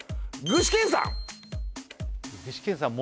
具志堅さん